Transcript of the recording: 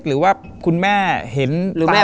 หรือว่าคุณแม่เห็นตาฝานหรือเปล่า